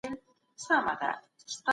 درناوی لرو.